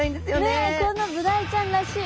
ねえこのブダイちゃんらしい